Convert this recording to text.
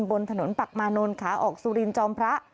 บนถนนปักมานนท์ขาออกสุรินจอมพระ